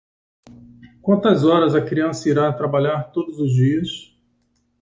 Quantas horas a criança irá trabalhar todos os dias?